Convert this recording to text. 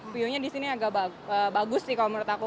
view nya di sini agak bagus sih kalau menurut aku